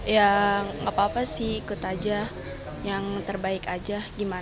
ya apa apa sih ikut aja yang terbaik aja